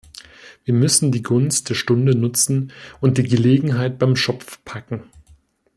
Wir müssen die Gunst der Stunde nutzen und die Gelegenheit beim Schopf packen.